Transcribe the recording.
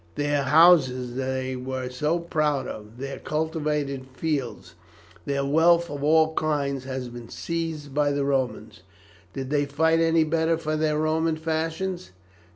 Their houses they were so proud of, their cultivated fields, their wealth of all kinds has been seized by the Romans. Did they fight any better for their Roman fashions?